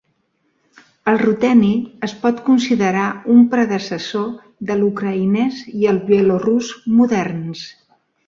El ruteni es pot considerar un predecessor de l'ucraïnès i el bielorús moderns.